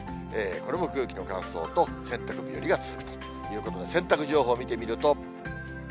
これも空気の乾燥と洗濯日和が続くということで、洗濯情報見てみると。